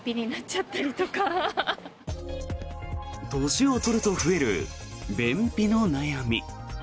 年を取ると増える便秘の悩み。